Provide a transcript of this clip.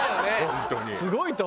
本当に。